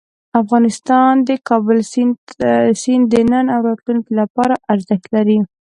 افغانستان کې د کابل سیند د نن او راتلونکي لپاره ارزښت لري.